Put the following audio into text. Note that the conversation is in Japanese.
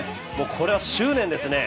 これは執念ですね